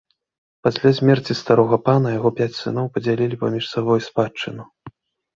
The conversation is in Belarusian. Пасля смерці старога пана яго пяць сыноў падзялілі між сабой спадчыну.